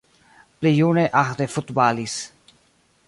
Pli june Ahde futbalis.